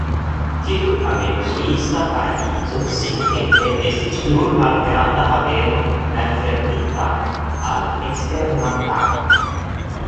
Tiu aventurista paradizo siatempe estis nur malgranda haveno malfermita al eksterlandanoj.